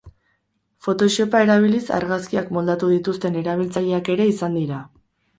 Photoshopa erabiliz argazkiak moldatu dituzten erabiltzaileak ere izan dira.